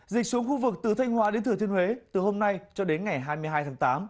dịch xuống khu vực từ thanh hóa đến thừa thiên huế từ hôm nay cho đến ngày hai mươi hai tháng tám